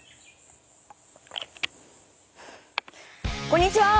こんにちは！